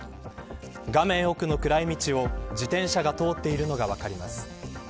画面奥の暗い道を自転車が通っているのが分かります。